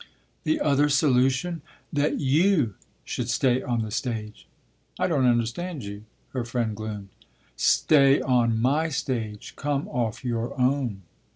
"The other solution?" "That you should stay on the stage." "I don't understand you," her friend gloomed. "Stay on my stage. Come off your own."